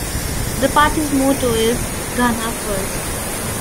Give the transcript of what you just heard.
The party's motto is "Ghana first".